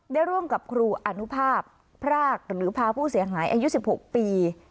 ได้ร่วมกับครูอนุภาพพรากหรือพาผู้เสียหายอายุ๑๖ปี